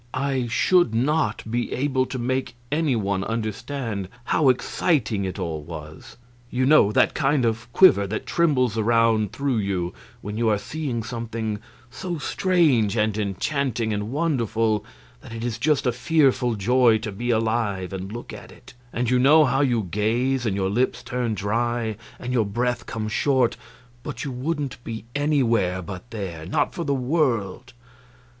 I should not be able to make any one understand how exciting it all was. You know that kind of quiver that trembles around through you when you are seeing something so strange and enchanting and wonderful that it is just a fearful joy to be alive and look at it; and you know how you gaze, and your lips turn dry and your breath comes short, but you wouldn't be anywhere but there, not for the world.